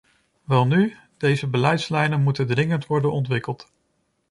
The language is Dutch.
Welnu, deze beleidslijnen moeten dringend worden ontwikkeld.